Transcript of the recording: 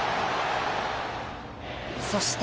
そして。